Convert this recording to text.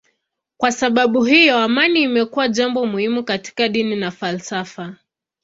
Kwa sababu hiyo amani imekuwa jambo muhimu katika dini na falsafa.